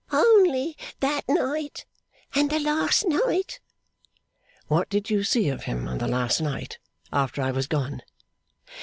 'Only that night, and the last night.' 'What did you see of him on the last night, after I was gone?